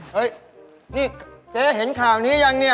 เฮ่ยนี่เจ๊เห็นข่าวนี้หรือยังนี่